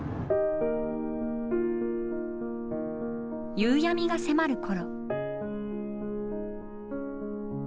夕闇が迫る頃。